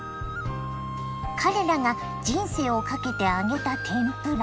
彼らが人生をかけて揚げた天ぷら。